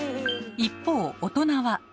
一方大人は。